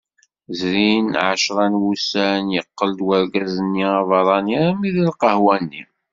Zrin ɛecra n wussan, yeqqel-d urgaz-nni aberrani almi d lqahwa-nni.